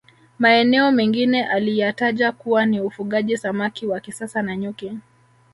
Maeneo mengine aliyataja kuwa ni ufugaji samaki wa kisasa na nyuki